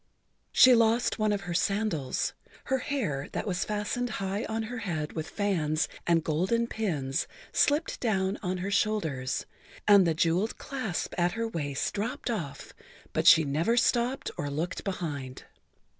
She lost one of her sandals, her hair, that was fastened high on her head with fans and golden pins, slipped down on her shoulders, and the jeweled clasp at her waist dropped off, but she never stopped or looked behind.